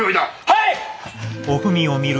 はい！